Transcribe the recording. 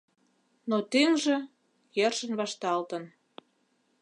Но тӱҥжӧ — йӧршын вашталтын.